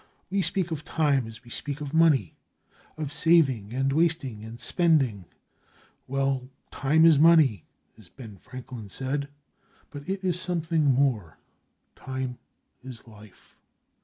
We speak of time as we speak of money, of saving and wasting and spending. Well, Time is Money, as Ben Franklin said, but it is something more—Time is Life.